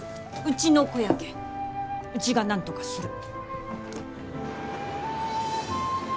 うちの子やけんうちがなんとかする。